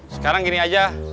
sekarang gini aja